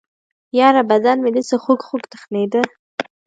يره بدن مې دسې خوږخوږ تخنېده.